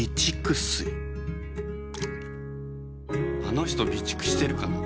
あの人備蓄してるかな？